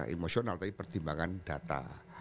emosional tapi pertimbangan data